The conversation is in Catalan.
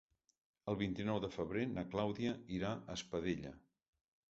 El vint-i-nou de febrer na Clàudia irà a Espadella.